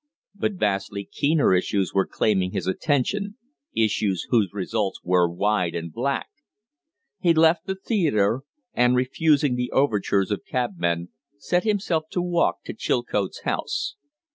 But vastly keener issues were claiming his attention, issues whose results were wide and black. He left the theatre, and, refusing the overtures of cabmen, set himself to walk to Chilcote's house.